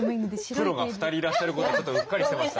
プロが２人いらっしゃることをちょっとうっかりしていました。